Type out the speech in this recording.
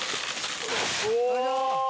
お！